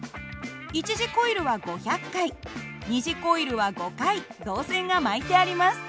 一次コイルは５００回二次コイルは５回導線が巻いてあります。